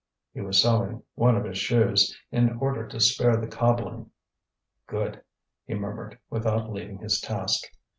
He was sewing one of his shoes, in order to spare the cobbling. "Good!" he murmured, without leaving his task.